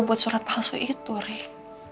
buat surat palsu itu reh